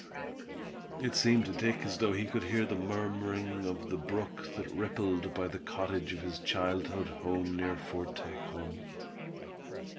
It seemed to Dick as though he could hear the murmuring of the brook that rippled by the cottage of his childhood home, near Fort Tejon.